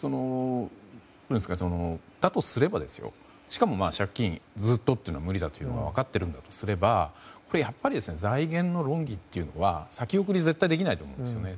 だとすれば、しかも借金ずっとというのが無理だと分かっているのだとすればやっぱり来年の論議というのは先送りは絶対できないですよね。